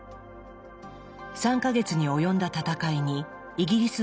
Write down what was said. ３か月に及んだ戦いにイギリス軍が勝利。